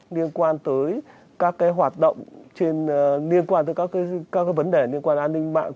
liên quan tới các cái hoạt động trên liên quan tới các cái vấn đề liên quan an ninh mạng